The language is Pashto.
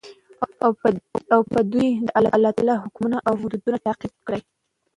او په دوى كې دالله تعالى حكمونه او حدود تطبيق كړي .